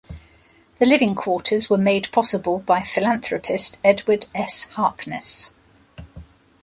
The living quarters were made possible by philanthropist Edward S. Harkness.